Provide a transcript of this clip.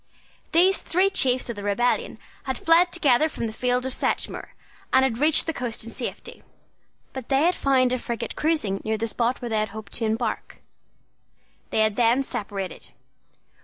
These three chiefs of the rebellion had fled together from the field of Sedgemoor, and had reached the coast in safety. But they had found a frigate cruising near the spot where they had hoped to embark. They had then separated.